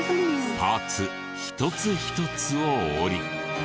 パーツ一つ一つを折り。